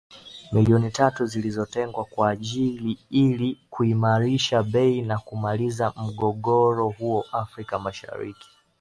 Milioni tatu zilizotengwa kwa ajili ya ili kuimarisha bei na kumaliza mgogoro huo Afrika Mashariki